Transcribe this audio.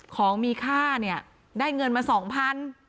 ของมีค่าเนี่ยได้เงินมา๒๐๐บาท